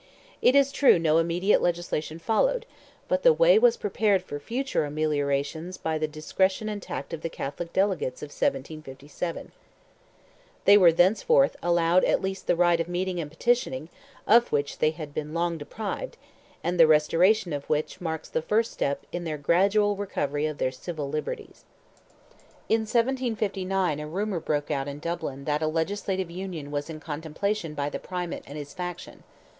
It is true no immediate legislation followed, but the way was prepared for future ameliorations by the discretion and tact of the Catholic delegates of 1757. They were thenceforth allowed at least the right of meeting and petitioning, of which they had long been deprived, and the restoration of which marks the first step in their gradual recovery of their civil liberties. In 1759 a rumour broke out in Dublin that a legislative union was in contemplation by the Primate and his faction.